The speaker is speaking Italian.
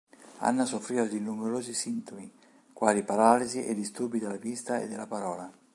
Anna soffriva di numerosi sintomi, quali paralisi e disturbi della visione e della parola.